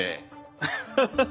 アハハハ